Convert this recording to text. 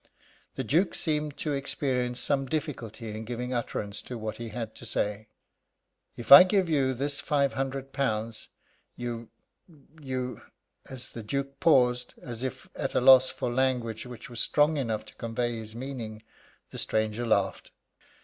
The Duke seemed to experience some difficulty in giving utterance to what he had to say. "If I give you this five hundred pounds, you you " As the Duke paused, as if at a loss for language which was strong enough to convey his meaning, the stranger laughed.